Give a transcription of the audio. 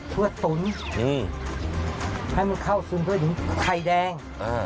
เพื่อตุ๋นให้มันเข้าซึ้งด้วยถึงไข่แดง